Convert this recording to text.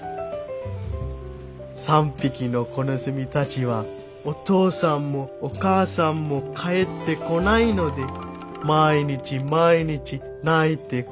「３匹の子ネズミたちはお父さんもお母さんも帰ってこないので毎日毎日泣いて暮らしてました。